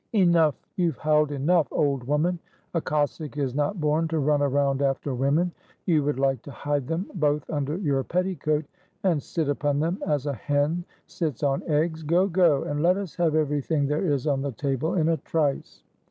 "Enough, you've howled enough, old woman! A Cossack is not born to run around after women. You would like to hide them both under your petticoat, and sit upon them as a hen sits on eggs. Go, go, and let us have everything there is on the table in a trice.